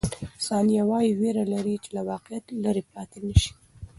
ثانیه وايي، وېره لري چې له واقعیت لیرې پاتې نه شي.